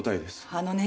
あのね。